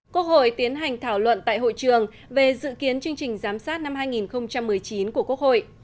quốc hội tiến hành thảo luận tại hội trường về dự kiến chương trình giám sát năm hai nghìn một mươi chín của quốc hội